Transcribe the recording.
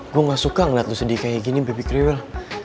gua nggak suka ngeliat lu sedih kayak gini baby kriwil